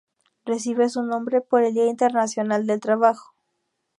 Recibe su nombre por el día internacional del trabajo